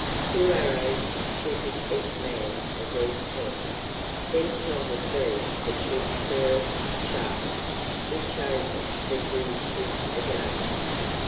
Two arrows shooteth each man of these ten, then shall the three that shoot the fairest shafts be chosen for to shoot again.